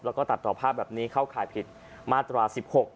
แล้วก็ตัดต่อภาพแบบนี้เข้าข่ายผิดมาตรา๑๖